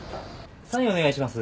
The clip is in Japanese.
サインお願いします。